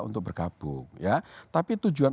untuk bergabung ya tapi tujuan